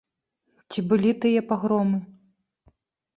Ці былі тыя пагромы?